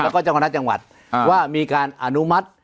ก็ต้องรับจังหวัดว่ามีการอนุมัติ